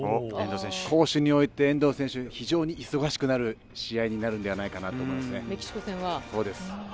攻守において遠藤選手は非常に忙しくなる試合になると思います。